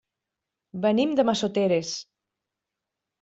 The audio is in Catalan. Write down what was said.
Venim de Massoteres.